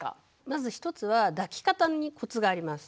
まず一つは抱き方にコツがあります。